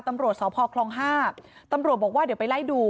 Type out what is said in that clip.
ตำรวจสพคลอง๕ตำรวจบอกว่าเดี๋ยวไปไล่ดู